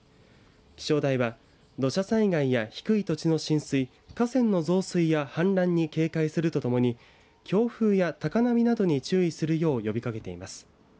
気象台は土砂災害や低い土地の浸水河川の増水や氾濫に警戒するとともに強風や高波などに注意するよう呼びかけています。